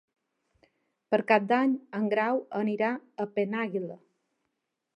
Per Cap d'Any en Grau anirà a Penàguila.